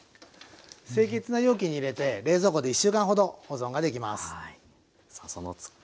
清潔な容器に入れて冷蔵庫で１週間ほど保存ができます。